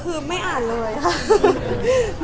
คือไม่อ่านเลยค่ะ